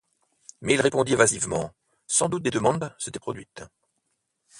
Mais il répondit évasivement; sans doute des demandes s'étaient produites.